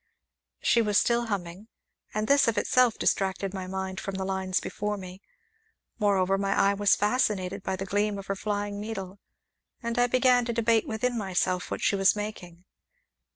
She was still humming, and this of itself distracted my mind from the lines before me; moreover, my eye was fascinated by the gleam of her flying needle, and I began to debate within myself what she was making.